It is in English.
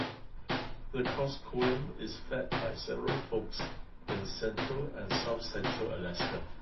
The Kuskokwim is fed by several forks in central and south-central Alaska.